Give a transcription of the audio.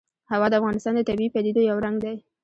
هوا د افغانستان د طبیعي پدیدو یو رنګ دی.